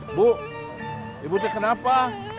ibu ibu cik kenapa